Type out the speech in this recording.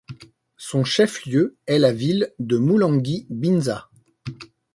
Son chef-lieu est la ville de Moulengui-Binza.